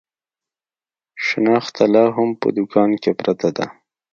شنخته لا هم په دوکان کې پرته ده.